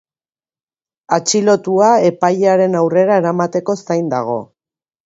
Atxilotua epailearen aurrera eramateko zain dago.